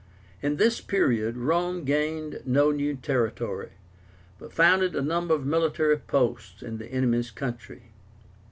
In this period Rome gained no new territory, but founded a number of military posts in the enemy's country.